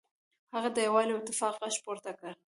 هغه د یووالي او اتفاق غږ پورته کړ.